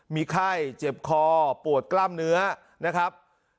มีไข้เจ็บคอปวดกล้ามเนื้อนะครับ